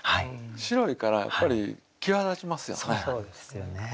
白いからやっぱり際立ちますよね。